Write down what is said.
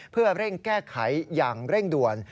เพื่อเร่งแก้ไขอย่างเร่งด่วน